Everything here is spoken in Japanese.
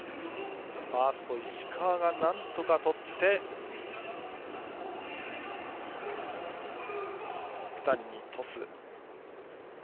ファーストの石川がなんとかとって福谷にトス。